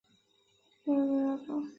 克利图尔普。